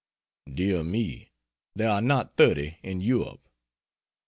Dear me, there are not 30 in Europe.